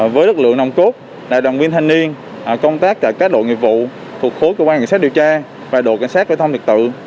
với đất lượng nông cốt đại đồng viên thanh niên công tác cả các đội nhiệm vụ thuộc khối cơ quan kiểm soát điều tra và đội kiểm soát vệ thông liệt tự